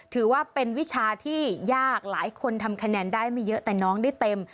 ถือว่าเป็นวิชาที่ยากหลายคนทำคะแนนได้ไม่เยอะแต่น้องได้เต็ม